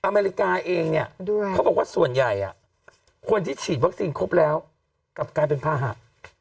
อเมริกาเองเนี่ยเขาบอกว่าส่วนใหญ่คนที่ฉีดวัคซีนครบแล้วกลับกลายเป็นภาหะ